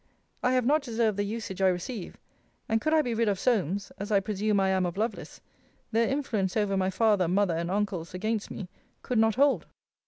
I have not deserved the usage I receive: and could I be rid of Solmes, as I presume I am of Lovelace, their influence over my father, mother, and uncles, against me, could not hold.